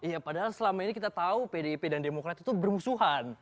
iya padahal selama ini kita tahu pdip dan demokrat itu bermusuhan